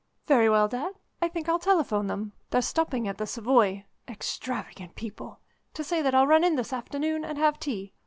"Very well, Dad; I think I'll telephone them they're stopping at the Savoy extravagant people! to say that I'll run in this afternoon and have tea.